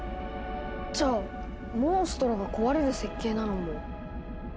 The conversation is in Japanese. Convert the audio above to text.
じゃあモンストロが壊れる設計なのも？